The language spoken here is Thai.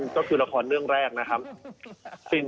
ก็คือละครเรื่องแรกนะครับ